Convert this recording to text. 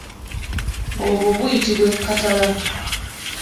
Obwo buyitibwa ekkatala.